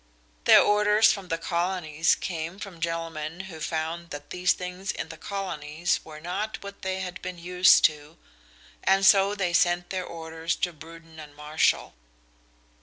Their orders from the Colonies came from gentlemen who found that these things in the Colonies were not what they had been used to, and so they sent their orders to Bruden and Marshall.